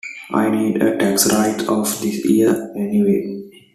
I need a tax write-off this year anyway.